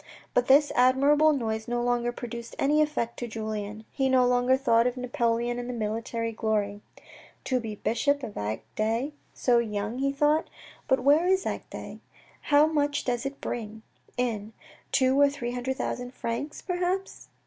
But this admirable noise no longer produced any effect on Julien. He no longer thought of Napoleon and military glory. " To be bishop of Agde so young," he thought. " But where is Agde ? How much does it bring in ? Two or three hundred thousand francs, perhaps."